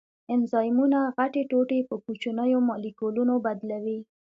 انزایمونه غټې ټوټې په کوچنیو مالیکولونو بدلوي.